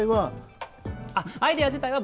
アイデア自体は？